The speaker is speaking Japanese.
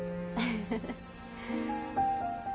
フフフフ。